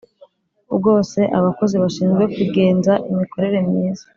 Bwose abakozi bashinzwe kugenza imikorere myiza